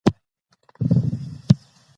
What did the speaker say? که تعلیمي ویبپاڼه وي نو راتلونکی نه خرابیږي.